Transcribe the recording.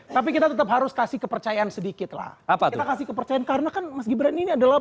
tapi kita tetap harus kasih kepercayaan sedikitlah apa kasih kepercayaan karena kan masih berani adalah